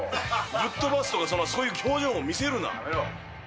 ぶっ飛ばすとか、そんな、そういう表情を見せるな。